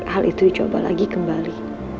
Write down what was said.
hal itu dicoba lagi kembali